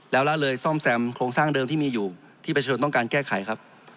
แล้วละเลยซ่อมแซมโครงสร้างเดิมที่มีอยู่ที่ประชาชนต้องการแก้ไขครับ